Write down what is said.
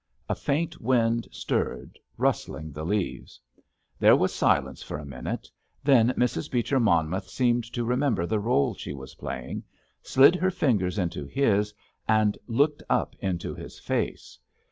A faint wind stirred, rustling the leaves. There was silence for a minute, then Mrs. Beecher Monmouth seemed to remember the role she was playing, slid her fingers into his and looked up into his face.